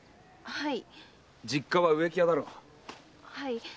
はい。